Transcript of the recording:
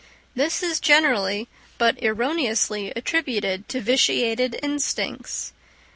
This is generally, but erroneously attributed to vitiated instincts.